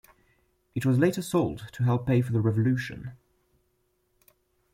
It was later sold to help pay for the Revolution.